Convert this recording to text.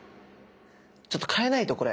ちょっと変えないとこれ。